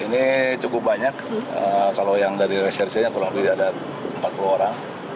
ini cukup banyak kalau yang dari resersenya kurang lebih ada empat puluh orang